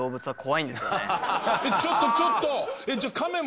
ちょっとちょっと！